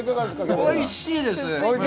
おいしいです。